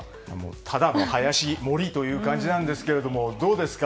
ただの林、森という感じなんですけれどもどうですか？